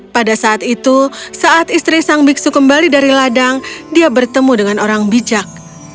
pada saat itu saat istri sang biksu kembali dari ladang dia bertemu dengan orang bijak